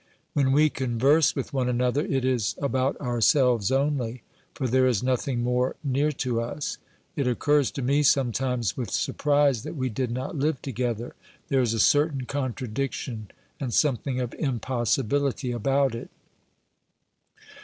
When we converse with one another it is about ourselves only, for there is nothing more near to us. It occurs to me sometimes with surprise that we did not live together ; there is a certain contradiction and something of impossibility about it.